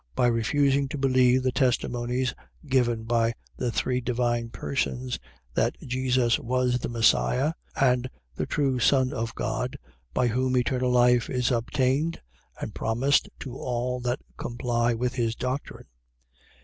.By refusing to believe the testimonies given by the three divine persons, that Jesus was the Messias, and the true Son of God, by whom eternal life is obtained and promised to all that comply with his doctrine.